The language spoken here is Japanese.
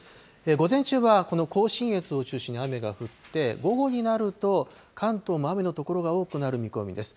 午前中はこの甲信越を中心に雨が降って、午後になると、関東も雨の所が多くなる見込みです。